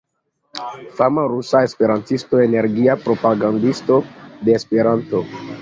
Fama rusa esperantisto, energia propagandisto de Esperanto.